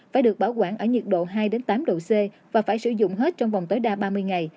phải được bảo quản ở nhiệt độ hai tám độ c và phải sử dụng hết trong vòng tối đa ba mươi ngày